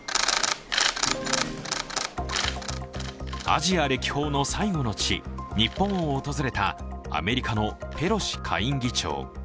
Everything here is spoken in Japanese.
アジア歴訪の最後の地、日本を訪れたアメリカのペロシ下院議長。